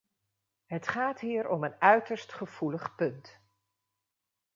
Het gaat hier om een uiterst gevoelig punt.